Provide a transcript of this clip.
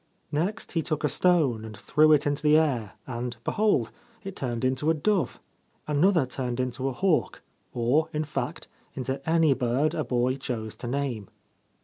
Next he took a stone and threw it into the air, and behold ! it turned into a dove. Another turned into a hawk, or, in fact, into any bird a boy chose to name.